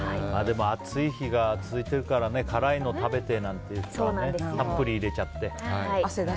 暑い日が続いているから辛いの食べてなんていう日はたっぷり入れちゃって。